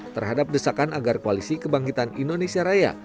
terhadap desakan agar koalisi kebangkitan indonesia raya